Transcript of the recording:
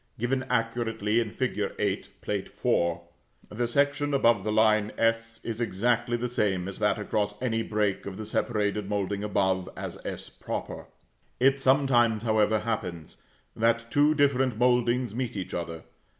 given accurately in fig. 8, Plate IV., the section across the line s, is exactly the same as that across any break of the separated moulding above, as [=s]. It sometimes, however, happens, that two different mouldings meet each other.